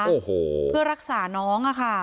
โอ้โหเพื่อรักษาน้องอะค่ะ